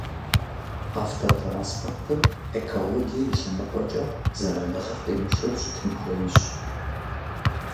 Автотранспортыр экологие и лъэныкъуэкӀэ зэраныгъэ къимышэу щытын хуейщ.